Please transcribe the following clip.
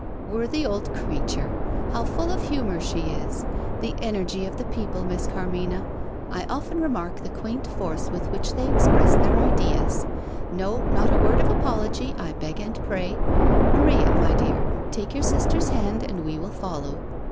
"Worthy old creature! how full of humour she is! The energy of the people, Miss Carmina. I often remark the quaint force with which they express their ideas. No not a word of apology, I beg and pray. Maria, my dear, take your sister's hand, and we will follow."